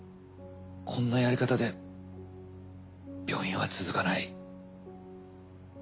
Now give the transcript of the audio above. こんなやり方で病院は続かない。